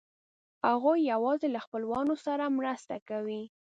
هغوی یواځې له خپلوانو سره مرسته کوي.